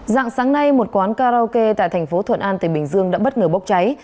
dạng sáng nay một quán karaoke tại thành phố thuận an tây bình dương đã bất ngờ bốc cháy